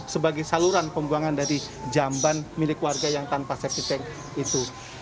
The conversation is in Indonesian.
sebagai saluran pembuangan dari jamban milik warga yang tanpa septic tank itu